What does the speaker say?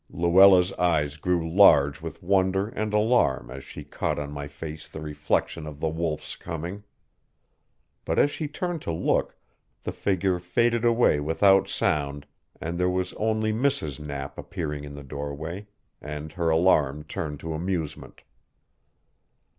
Luella's eyes grew large with wonder and alarm as she caught on my face the reflection of the Wolf's coming. But as she turned to look, the figure faded away without sound, and there was only Mrs. Knapp appearing in the doorway; and her alarm turned to amusement.